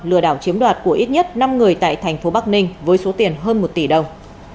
lừa đảo chiếm đoạt của ít nhất năm người tại thành phố bắc ninh với số tiền hơn một tỷ đồng